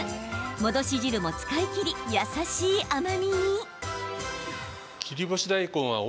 戻し汁も使い切り優しい甘みに。